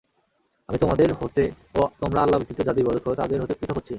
আমি তোমাদের হতে ও তোমরা আল্লাহ ব্যতীত যাদের ইবাদত কর তাদের হতে পৃথক হচ্ছি।